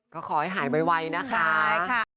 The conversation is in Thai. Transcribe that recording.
ก็ขอให้หายไปไว้นะคะค่ะค่ะ